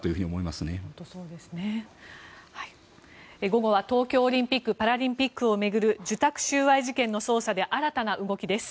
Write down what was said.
午後は東京オリンピック・パラリンピックを巡る受託収賄事件の捜査で新たな動きです。